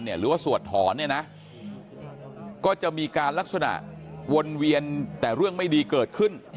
หรือว่าสวดถอนเนี่ยนะก็จะมีการลักษณะวนเวียนแต่เรื่องไม่ดีเกิดขึ้น